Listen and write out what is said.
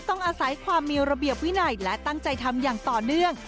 ต้องอาศัยความมีระเบียบวินัยและตั้งใจทำอย่างต่อเนื่อง